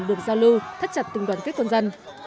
được giao lưu thắt chặt tình đoàn kết quân dân